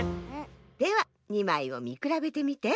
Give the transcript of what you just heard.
では２まいをみくらべてみて。